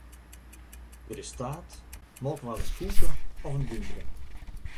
Der is taart, Molkwarder koeke of in dúmke.